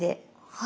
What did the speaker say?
はい。